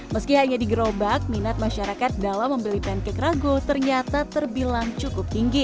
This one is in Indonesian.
meski hanya digerobak minat masyarakat dalam membeli pancake rago ternyata terbilang cukup tinggi